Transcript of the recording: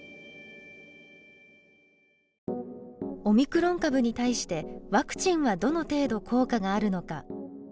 オミクロン株に対してワクチンはどの程度効果があるのか。